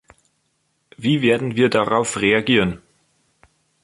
Wie werden wir darauf reagieren?